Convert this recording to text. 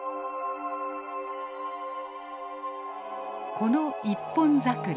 この一本桜。